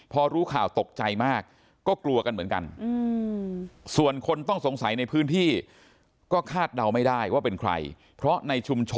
พอรู้ข่าวตกใจมากก็กลัวกันเหมือนกัน